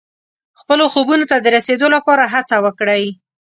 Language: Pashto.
خپلو خوبونو ته د رسیدو لپاره هڅه وکړئ.